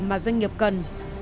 và doanh nghiệp cần